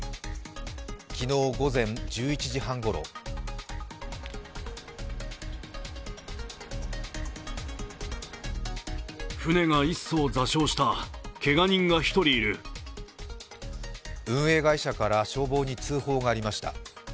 昨日午前１１時半ごろ運営会社から消防に通報がありました。